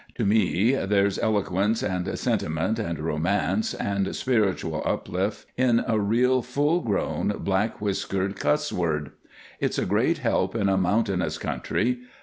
To me there's eloquence and sentiment and romance and spiritual uplift in a real, full grown, black whiskered cuss word. It's a great help in a mountainous country.